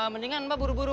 mendingan mbak buru buru